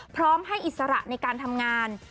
พร้อมให้อิสระในการทำงาน